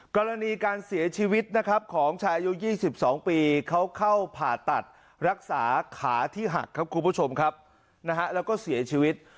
กรณีการเสียชีวิตนะครับของชายอายุ๒๒ปีเขาเข้าผ่าตัดรักษาขาที่หักครับคุณผู้ชมครับนะฮะแล้วก็เสียชีวิต